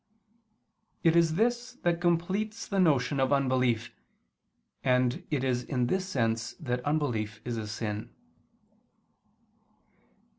It is this that completes the notion of unbelief, and it is in this sense that unbelief is a sin.